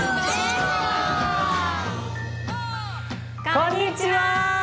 こんにちは。